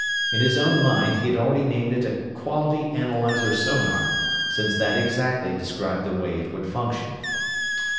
In his own mind, he had already named it a "quality analyzer sonar," since that exactly described the way it would function.